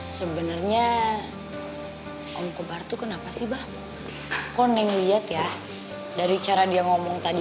sebenarnya om kebar tuh kenapa sih bahpon yang lihat ya dari cara dia ngomong tadi